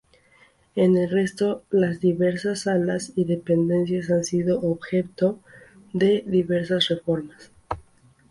En el resto, las diversas salas y dependencias han sido objeto de diversas reformas.